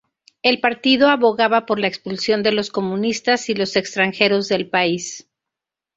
El partido abogaba por la expulsión de los comunistas y los extranjeros del país.